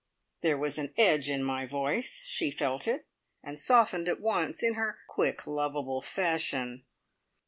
There was an edge in my voice. She felt it, and softened at once, in her quick lovable fashion.